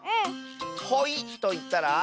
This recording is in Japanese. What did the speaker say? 「ほい」といったら？